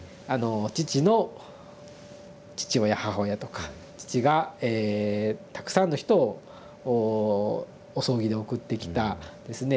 父の父親母親とか父がえたくさんの人をお葬儀で送ってきたですね